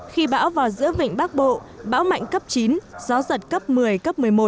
khi bão vào giữa vịnh bắc bộ bão mạnh cấp chín gió giật cấp một mươi cấp một mươi một